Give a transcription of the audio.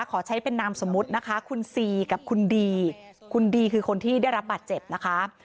ขอใช้เป็นนามสมมุตินะคะคุณซีกับคุณดีคุณดีคือคนที่ได้รับบาดเจ็บนะคะ